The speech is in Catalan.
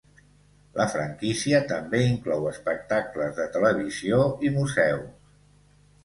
La franquícia també inclou espectacles de televisió i museus.